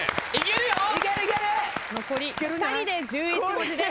残り２人で１１文字です。